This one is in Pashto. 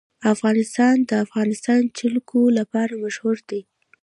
افغانستان د د افغانستان جلکو لپاره مشهور دی.